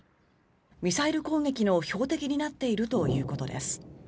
ミサイル攻撃の標的になっているということです。